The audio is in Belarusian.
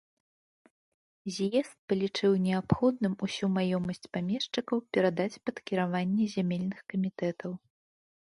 З'езд палічыў неабходным усю маёмасць памешчыкаў перадаць пад кіраванне зямельных камітэтаў.